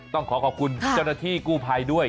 ต้องขอขอบคุณเจ้าหน้าที่กู้ภัยด้วย